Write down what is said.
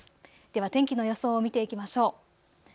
では天気の予想を見ていきましょう。